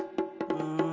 うん。